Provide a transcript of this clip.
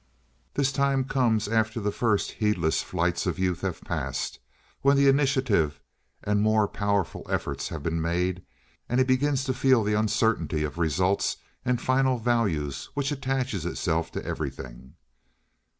This time comes after the first heedless flights of youth have passed, when the initiative and more powerful efforts have been made, and he begins to feel the uncertainty of results and final values which attaches itself to everything.